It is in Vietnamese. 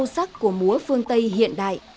sắc của múa phương tây hiện đại